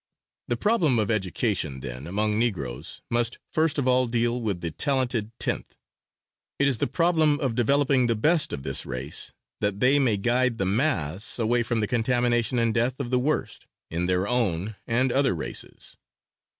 The problem of education, then, among Negroes must first of all deal with the Talented Tenth; it is the problem of developing the Best of this race that they may guide the Mass away from the contamination and death of the Worst, in their own and other races.